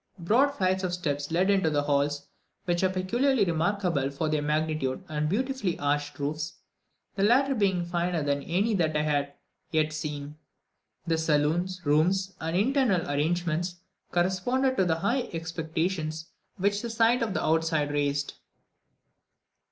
Broad flights of steps led up into halls which are peculiarly remarkable for their magnitude and beautifully arched roofs, the latter being finer than any that I had yet seen. The saloons, rooms, and internal arrangements corresponded to the high expectations which the sight of the outside raised.